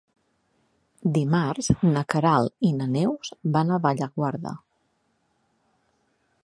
Dimarts na Queralt i na Neus van a Bellaguarda.